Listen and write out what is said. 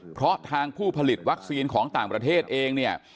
เพราะทางผู้ผลิตวัคซีนของต่างประเทศเองเนี่ย